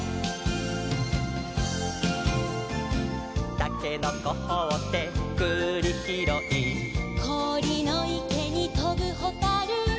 「たけのこほってくりひろい」「こおりのいけにとぶほたる」